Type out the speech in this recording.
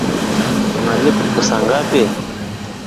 Unalipwa pesa ngapi?